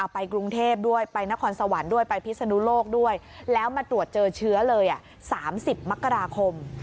ไปกรุงเทพฯไปนครสวรรค์ไปพิศนุโรคแล้วมาตรวจเจอเชื้อเลย๓๐มกราคม